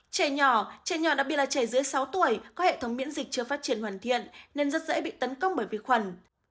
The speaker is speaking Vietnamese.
trẻ nhỏ trẻ nhỏ đặc biệt là trẻ dưới sáu tuổi có hệ thống miễn dịch chưa phát triển hoàn thiện nên rất dễ bị tấn công bởi vi khuẩn